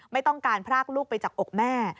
ไม่ต้องการพรากลูกไปจากอกแม่